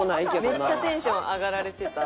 めっちゃテンション上がられてた。